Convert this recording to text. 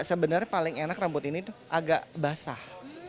sebenarnya paling enak rambut ini tuh agak basah